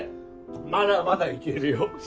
まだまだいけるよ。